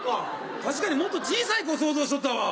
確かにもっと小さい子想像しとったわ。